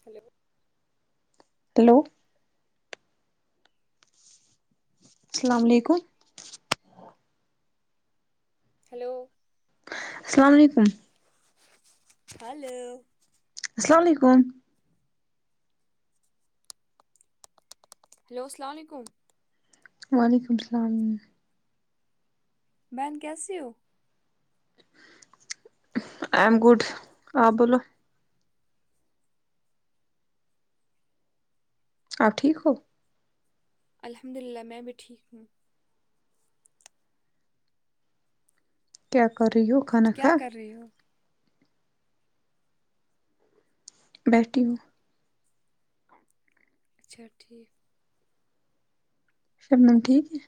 hello hello اسلام علیکم hello اسلام علیکم ہیلو اسلام علیکم ہیلو اسلام علیکم وعلیکم اسلام بہن کیسی ہو آئی ایم گوڈ اپ بولو آپ ٹھیک ہو الحمد اللہ میں بھی ٹھیک ہوں کیا کررہی ہو کھانا کیا کھایا کر رہی ہو بیٹھی ہوں اچھا ٹھیک شبنم ٹھیک ہے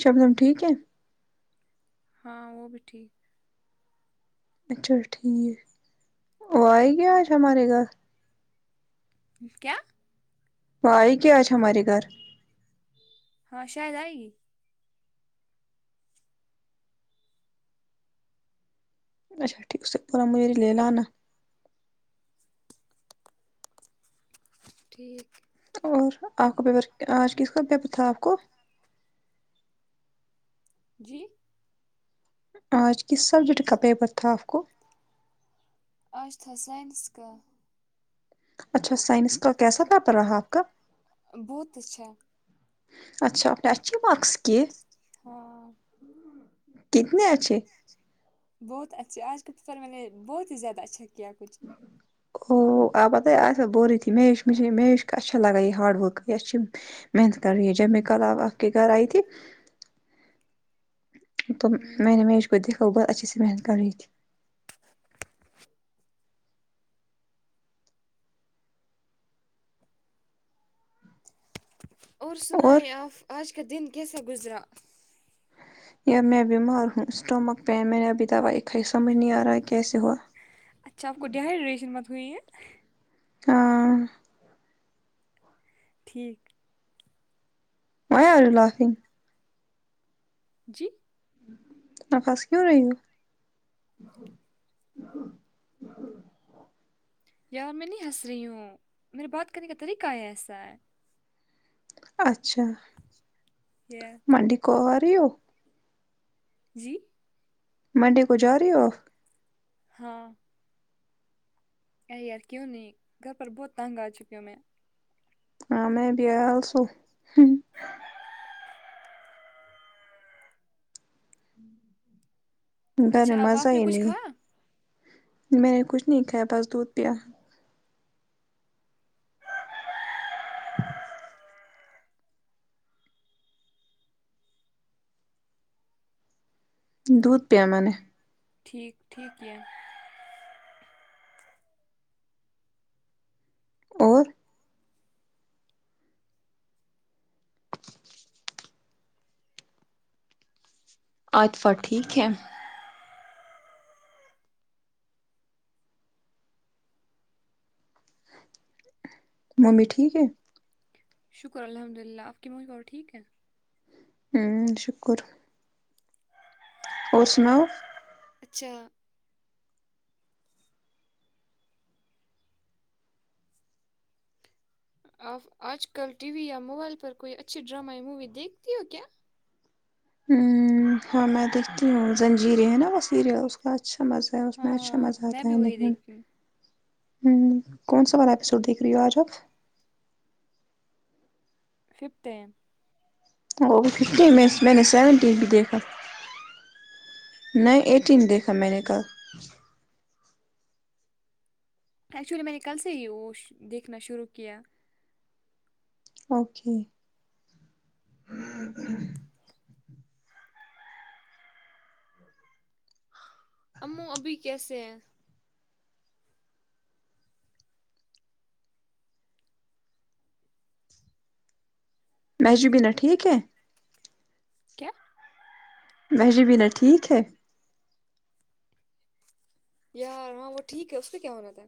شبنم ٹھیک ہے ہاں وہ بھی ٹھیک اچھا ٹھیک وہ آئگی آج ہمارے گھر کیا وہ آئی کیا آج ہمارے گھر ہاں شاید آئے گی اچھا ٹھیک اسے پورا میری لےنا انا ٹھیک اور آپ کا پیپر آج کس کا پیپر تھا آپ کو جی آج کس سبجیکٹ کا پیپر تھا کو آج تھا سائنس کا اچھا سائنس کا کیسا پیپر رہا آپ کا بہت اچھا اچھا اپنے اچھی مکس کیے ہاں کتنے اچھے بہت اچھے آج کا پیپر میں نے بہت ہی زیادہ اچھا کیا کچھ او آپ بتیے آج بول ری تھی مش مش میش اچھا لگا یہ ہاڈ ورک یہ محنت کر رہی ہے جب میں کال اب آپ کے گھر آئی تھی تو میں ہوں، نے میش کودیکھا بہت اچھے سے محنت کر رہی تھی اور سناے آپ آج کا دن کیسا گزرا میںں بیمار ہوں سٹامک پین میں نے ابھی دوای کھائ سمجھ نہیں آ رہا کیس ہوا اچھا آپ کو ڈیہائیڈریشن مت ہوئی ہے ہاں ٹھیک وہے یور لفنگ جی آپ ہس کیوں رہی ہو یار میں نہیں ہنس رہی ہوں میرے بات کرنے کا طریقہ ہے ایسا ہے اچھا [unintelligible] منڈی کو ا رہی ہو جی منڈے کو جا رہی ہو ہاں اے یار کیوں نہیں گھر پر بہت تنگ ا چکی ہوں میں ہاں میں بھییا سو ڈر اچھا اب مزہ آپ نے ہی کچھ نہیں کھایا میں نے کچھ نہیں کھایا بس دودھ پیا دودھ پیا ہے میں نے ٹھیک ٹھیک ہے اور عاطفہ ٹھیک ہے ممی ٹھیک ہیں شکر الحمد للہ اپ کے مو گ اور ٹھیک ہے ہ شکر اور سناؤ اچھا اپ اج کل ٹی وی یا موبائل پر کوئی اچھی ڈرامہ یا مووی دیکھتی ہو کیا ہ ہاں میں دیکھتی ہوں زنجیرے ہیں نا وہ سیریل اچھا مزہ ہے اس میں اچھا ہاں مزہ ا میں تا بھی ہے وہی دیکھنے میں دیکھتی ہوں ہوں کون سا والا ایپیسوڈ دیکھ رہی ہو اج اپ ففتین وہ ففٹین میں میں نے سیونٹی بھی دیکھا نہیں ایٹین دیکھا میں نے کل ایکچولی میں نے کل سے ہی وہ دیکھنا شروع کیا اوکے او ابھی کےسے ہیں مہجوبینا ٹھیک ہے کیا مہجبینا ٹھیک ہے یار وہاں وہ ٹھیک ہے اس سے کیا ہونا تھا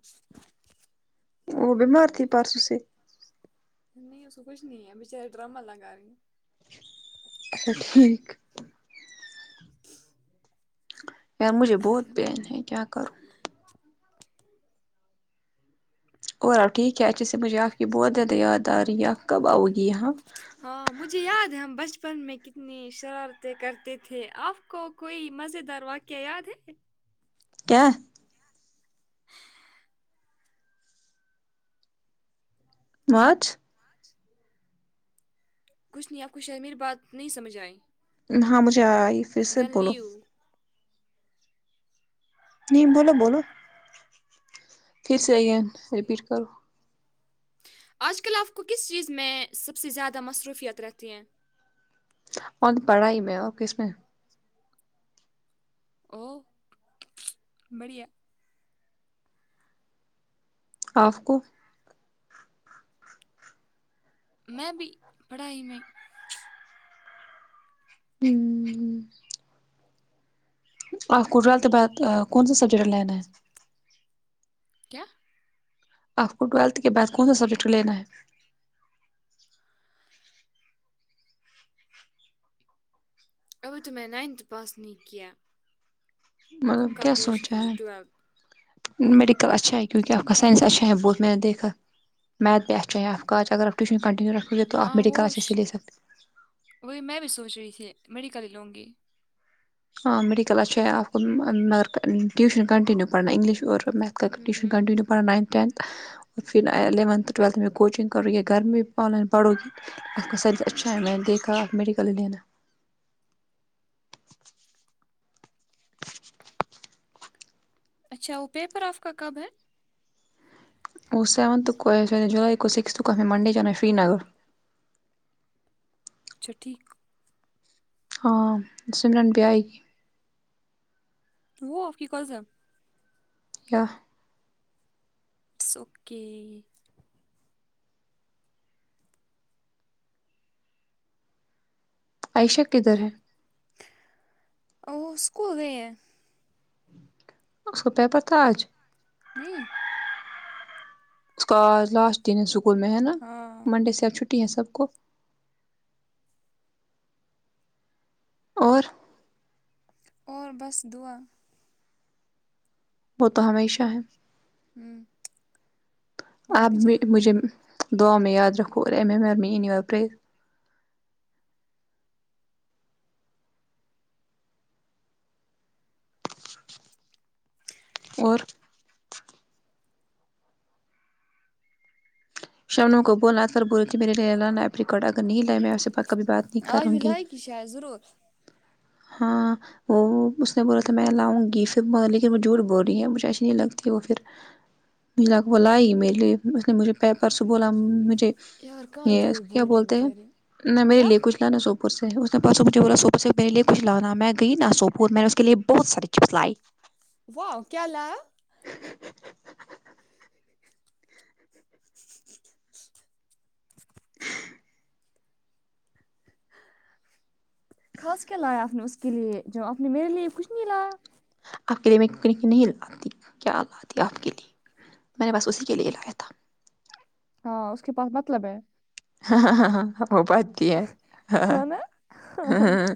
وہ بیمار تھی پرسو سے نہی اسے کچھ نہیں ہے بیچاری ڈراما لاگا رہی ہیں اچھا ٹھیک یار مجھے بہت پین ہے کیا کروں اور ٹھیک ہے اچھے سے مجھے اپ کی بہت زیادہ یاد ارہی ہے اپ کب اؤ گے یہاں ہاں مجھے یاد ہے ہم بچپن میں کتنی شرارتیں کرتے تھے اپ کو کوئی مزیدار واقعہ یاد ہے کیا وچ کچھ نہیں اپ کو شر میری بات نہیں سمجھ ائی ہاں مجھے ائی پھر سے دین بولو لیو نہیں بولو بولو پھر سے اگین ریپیٹ کرو اج کل اپ کو کس چیز میں سب سے زیادہ مصروفیت رہتی ہیں اور پڑھائی میں اور کس میں او بڑیا اف کو میں بھی پڑھائی میں ہی ہوں ہوں آپ کو ٹرییلت بعد کون سا سبجیکٹ لینا ہے کیا آپکو ٹویلتھ کے بع کون سا سبجیکٹ لینا ہے اگر تو میں نے نائنتھ پاس ن ک تم مطلب کا کیا پوچ گ سوچا ہے ٹویلتھ میڈیکل اچھا ہے کیونکہ آپ کا کیا سائنس اچھا پتہ ہے بہت میں نے دیکھا میتھ بھی اچا آپ کا اگر آپ ٹیشن کنٹینو رکھو گے تو آپ ہاں وہ میڈیکل اچھے سے لے ش- سکتے وہی میں بھی سوچ رہی تھی میڈیکل ہی لوں گی ہاں میڈیکل اچھا آپ کو مگر ٹیوشن کنٹنیو پڑاننا انگلش اور میتھ ٹیش ہوں کٹنی پان نائنت ٹنت پھر الیونتھ ٹویلتھ میں کوچنگ کرو گیے گھر میں بھی آن لائن پڑھو گی اس کا سوچ اچھا میں نے دکھا میڈیکل دینا اچھا وہ پیپر آف کا کب ہے وہ سیونت کو جولائی کو سکس کو منڈے جانا ہے شری نگر اچھا ٹھیک ہاں سمرن ب آئی وہ آف کی کس یا اٹس اوکے آئیشہ کدر ہے ا اسکول گئے ہیں اس کو پیپر تھا آج نہیں اس کا لاسٹ دن ہے اسکول میں ہے نا ہاں منڈے سے اب چھٹی ہے سب کو اور اور بس دعا وہ تو ہمیشہ ہے ہوں ہونا آپ بھی م چاہیے مجھے دعا میں یاد رکھو اور ایم ایمر میں اینوار پ اور شمنوں کو بولا کر بولے کہ میرے اللانا ایپ ریکارڈ اگر نہیں لائے میں اسے پت آج بھی لائقی شاید ضرور ہاں وہ اس نے بولا تھا میں لاؤں گی پھر لیکن وہ جھٹ بول رہی ہے مجھے ایسی نہیں لگتی وہ پھر ملا بولا لائی میرے لیے اس نے مجھے پیپر سے بولا مجھے یار کہاں یہ اس جھوٹ کیا بول رہے بولتے ہیں بیچارے ن میرے کیا لیے کچلا نا سوپور سے اس نےاسوں مجھے بولا س کچھ لانا میں گئی نا سوپور میں نے اس کے لیے بہت ساری چپس لائی واہ کیا لآیا کھاس کیا لایا آپ نے اس کے لیے جو آپ نے میرے لیے کچھ نہیں لایا آپ کے لیے میںک نہیں لاتی کیا لاتی آپ کے لیے میں نے بس اسی کے لیے لایا تھا ہاں اس کے پاس مطلب ہے ہاں ہاں ہاں ہاں ہو پا ہے نا ہاں ہاں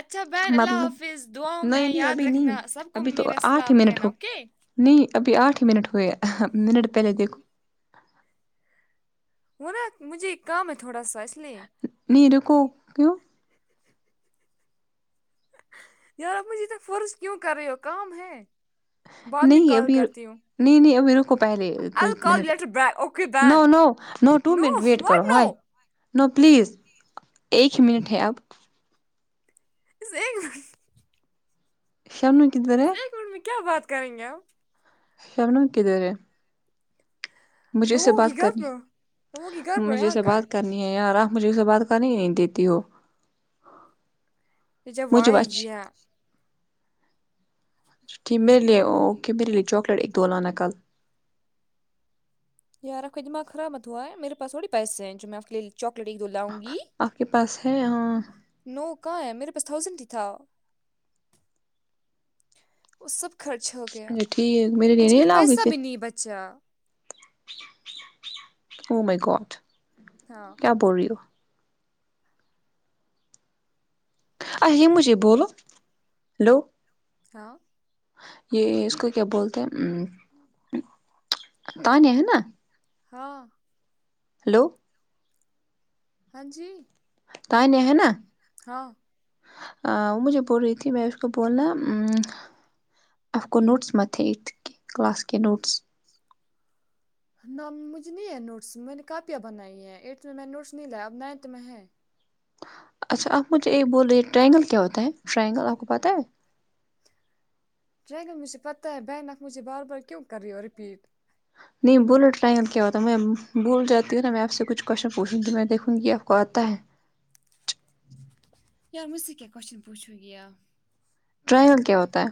اچھا بہن اللہ مطلب حافظ دعاؤں نہیں میں نہیں یاد ابھی نہیں رکھنا سب کو ابھی تو میرا آٹھ ہی سلام منٹ کہنا ہو اوکے نہیں ابھی آٹھ ہی منٹ ہوئے منٹ پہلے دیکھو وہ نا مجھے ایک کام ہے تھوڑا سا اس لیے نہیںی رکو کیو یار مجھے تو فورس کیوں کر رہے ہو کام ہے بعد میں نہیں کال ابھی کرتی ہوں نہیں نہیں ابھی رکو پہلے کوئی منٹ نو بین نو ٹومنٹ کرو ہے نو پلیز ایک منٹ ہے اب [unintelligible] شبنم کدھر اس ہے ایک منٹ میں کیا بات کریں گے ہم شبنم کدھر ہے مجھے اس سے وہ کی بات گھر کرنی پر وہ کی گھر پر مجھے یہاں سے کہاں ہے بات کرنی یار اپ مجھے اس سے بات کرنی ہی نہیں دیتی ہو پ جو و مجھے ہے اچھی یا تھی میں لیو اوکے میرے لیے چاکلیٹ ایک دو لانا کل یار اپ دماغ خراب مت ہوا ہے میرے پاس تھڑی پیسہ ہے جو میں ا پ کے لے چاکلیٹ ایک دو لاؤں گی آپ کے پاس ہے ہاں نو کہاں ہے میرے پاس تھوسند تھا وہ سب خرچ ہو گیا اچھا ٹھیک میرے لیے مجھے نہیں ایک لاؤ گی پیسہ پھر بھی نہیں بچا او مائی گوڈ ہاؤ کیا بڑیو ہو آ یہ مجھے بولو ہلو ہاں یہ اس کو کیا بولتے ہیں ہم تانیہ ہے نا ہاں ہیلو ہاں جی تانیہ ہے نا ہاؤ ا وہ مجھے بول رہی تھی میں اس کو بولنا اپ کو نوٹس مت ایتھ کی کلاس کے نوٹس ن مجھے نہیں ہے نوٹس میں نے کاپیاں بنائی ہیں ارتھ میں نے نوٹس نہیں لایا اب نائنتھ میں ہے اچھا اپ مجھے یہ بول رہے ٹراینگل کیا ہوتا ہے ٹرائینگل اپ کو پتہ ہے رہ لوں گی صپت بین مجھ بار بار کیوں کرے ہو رپیٹ نہیں بلٹ ٹرین کیا ہوتا ہے میں بھول جاتی ہو نا میں اپ سے کچھ کوسچن پوچھوں گی میں دیکھوں گی اپ کو اتا ہے یار مجھ سے کیا کوسچن پوچھوں گی اپ ٹرائل کیا ہوتا ہے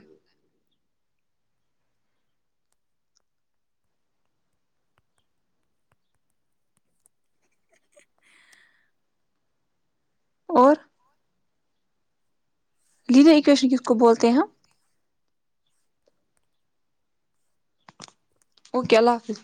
اور لیینا اکوشن کس کو بولتے ہیں اوکے اللہ حافظ